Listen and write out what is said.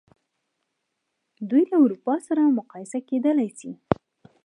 دوی له اروپا سره مقایسه کېدلای شي.